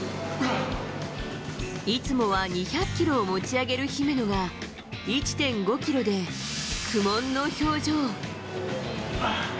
いつもは２００キロを持ち上げる姫野が、１．５キロで苦もんの表情。